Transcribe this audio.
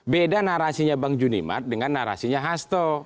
beda narasinya bang junimat dengan narasinya hasto